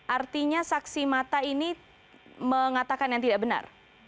artinya saksi mata ini mengatakan yang tidak benar